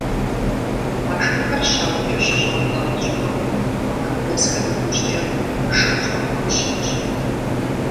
А шыхэр щаукӏыу щыщӏатӏа щӏыпӏэм къуажэдэсхэм иужькӏэ «Шыкхъэ» фӏащащ.